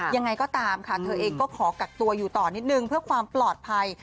ยังไงก็ตามค่ะเธอเองก็ขอกักตัวอยู่ต่อนิดนึงเพื่อความปลอดภัย